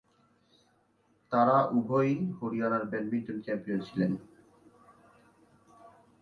তারা উভয়েই হরিয়ানার ব্যাডমিন্টন চ্যাম্পিয়ন ছিলেন।